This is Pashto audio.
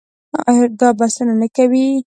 دا بسنه نه کوي.